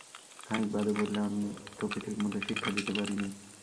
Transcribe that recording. খানিক বাদে বললে, আমি তোকে ঠিকমত শিক্ষা দিতে পারি নি।